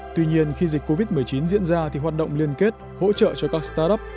tuy nhiên khi dịch covid một mươi chín diễn ra thì hoạt động liên kết hỗ trợ cho các start up